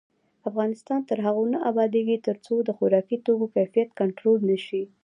افغانستان تر هغو نه ابادیږي، ترڅو د خوراکي توکو کیفیت کنټرول نشي.